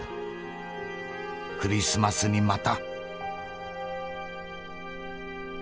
『クリスマスにまた！』」。